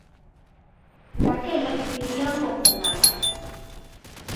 Daquela, vivía en Ponferrada.